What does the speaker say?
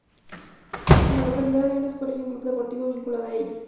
En la localidad hay una escuela y un club deportivo vinculado a ella.